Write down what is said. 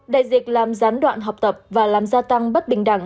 đại dịch làm gián đoạn học tập và làm gia tăng bất bình đẳng